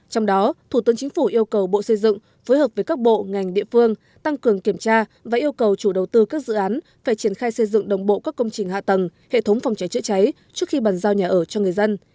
trong đó thủ tướng chính phủ yêu cầu bộ xây dựng phối hợp với các bộ ngành địa phương tăng cường kiểm tra và yêu cầu chủ đầu tư các dự án phải triển khai xây dựng đồng bộ các công trình hạ tầng hệ thống phòng cháy chữa cháy trước khi bàn giao nhà ở cho người dân